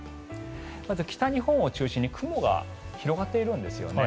まず、北日本を中心に雲が広がっているんですよね。